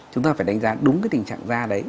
chúng ta phải đánh giá đúng cái tình trạng da đấy